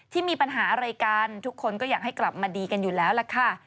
ที่มีปัญหาอะไรกันทุกคนก็อยากให้กลับมาดีกันอยู่แล้วล่ะค่ะ